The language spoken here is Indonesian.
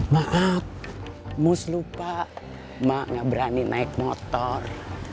maaf mus lupa mak nggak berani naik motor